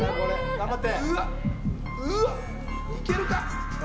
頑張って！